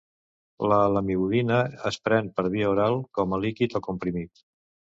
La lamivudina es pren per via oral com a líquid o comprimit.